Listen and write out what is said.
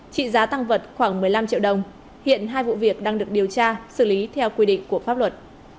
trị giá tăng vật khoảng một mươi năm triệu đồng hiện hai vụ việc đang được điều tra xử lý theo quy định của pháp luật